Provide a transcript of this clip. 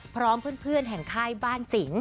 พร้อมเพื่อนแห่งค่ายบ้านสิง